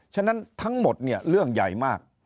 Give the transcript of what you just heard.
ฉะนั้นทั้งหมดเนี่ยเรื่องใหญ่มาก